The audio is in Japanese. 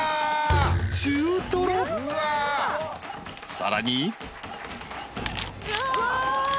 ［さらに］